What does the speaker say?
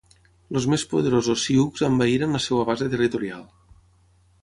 Els més poderosos sioux envaïren la seva base territorial.